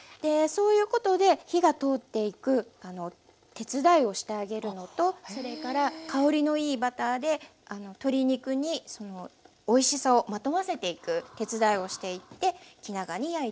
そういうことで火が通っていく手伝いをしてあげるのとそれから香りのいいバターで鶏肉においしさをまとわせていく手伝いをしていって気長に焼いていきます。